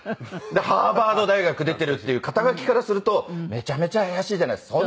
ハーバード大学出ているっていう肩書からするとめちゃめちゃ怪しいじゃないですか。